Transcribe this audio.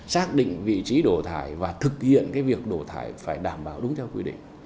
xác định vị trí đổ thải và thực hiện cái việc đổ thải phải đảm bảo đúng theo quy định